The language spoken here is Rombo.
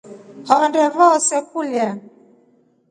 Honde vose kulya.